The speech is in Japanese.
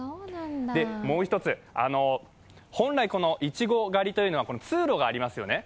もう一つ、本来、いちご狩りというのは通路がありますよね。